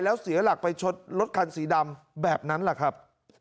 แล้วเสียหลักไปชดรถคันสีดำแบบนั้นแหละครับ